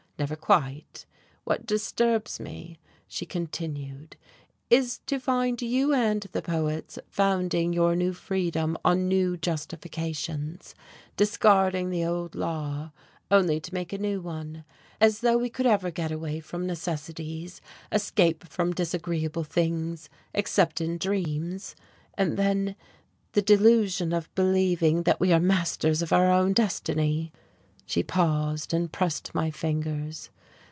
Never quite. What disturbs me," she continued, "is to find you and the poets founding your new freedom on new justifications, discarding the old law only to make a new one, as though we could ever get away from necessities, escape from disagreeable things, except in dreams. And then, this delusion of believing that we are masters of our own destiny " She paused and pressed my fingers.